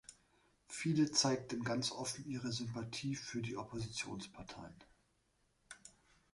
Viele zeigten ganz offen ihre Sympathie für die Oppositionsparteien.